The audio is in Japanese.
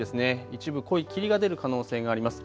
一部濃い霧が出る可能性があります。